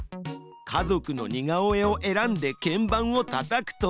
家族の似顔絵を選んで鍵盤をたたくと。